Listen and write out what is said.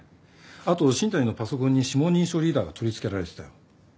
あと新谷のパソコンに指紋認証リーダーが取り付けられてたよ。